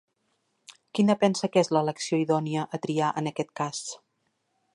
Quina pensa que és l'elecció idònia a triar en aquest cas?